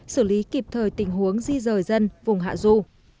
xử lý kịp thời tình huống di rời dân vùng hạ du